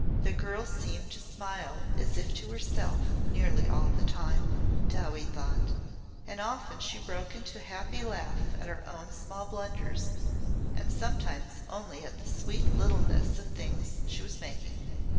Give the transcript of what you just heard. The girl seemed to smile as if to herself nearly all the time, Dowie thought, and often she broke into a happy laugh at her own small blunders and sometimes only at the sweet littleness of the things she was making.